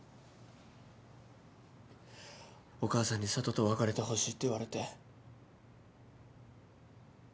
お母さんに佐都と別れてほしいって言われて。